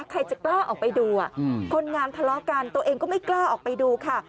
ใครจะกล้าออกไปดูคนงานทะเลาะกันตัวเองก็ไม่กล้าออกไปดูค่ะ